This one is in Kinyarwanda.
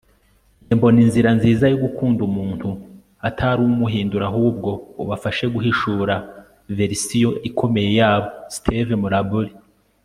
njye mbona inzira nziza yo gukunda umuntu atari ukumuhindura, ahubwo, ubafashe guhishura verisiyo ikomeye yabo. - steve maraboli